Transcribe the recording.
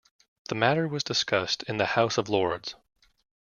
The matter was discussed in the House of Lords.